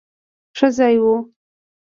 ښه ځای وو.